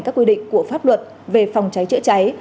các quy định của pháp luật về phòng cháy chữa cháy